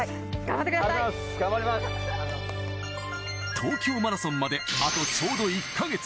東京マラソンまであとちょうど１カ月。